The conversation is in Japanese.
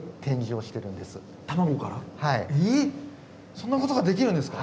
そんなことができるんですか？